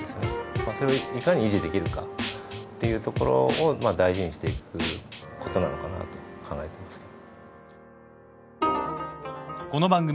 まあそれをいかに維持できるかっていうところを大事にしていくことなのかなと考えてますけど。